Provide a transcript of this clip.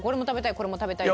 「これも食べたい」って。